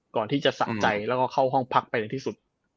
ก่อนที่จะสะใจแล้วก็เข้าห้องพักไปที่สุด